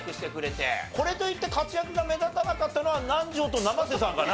これといって活躍が目立たなかったのは南條と生瀬さんかな？